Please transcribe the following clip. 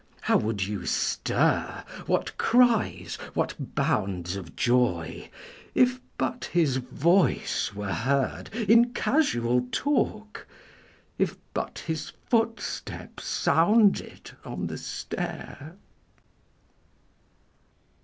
How would you stir, what cries, what bounds of joy, If but his voice were heard in casual talk, If but his footstep sounded on the stair